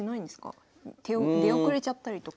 出遅れちゃったりとか。